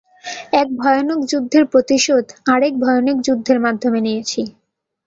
এক ভয়ানক যুদ্ধের প্রতিশোধ আরেক ভয়ানক যুদ্ধের মাধ্যমে নিয়েছি।